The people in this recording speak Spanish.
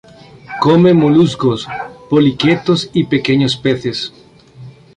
Come moluscos, poliquetos y pequeños peces.